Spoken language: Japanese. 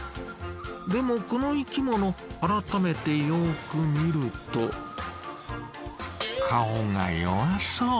でもこの生きもの改めてよく見ると顔が弱そう。